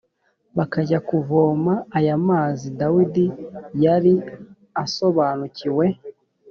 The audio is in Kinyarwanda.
bakajya kuvoma aya mazi dawidi yari asobanukiwe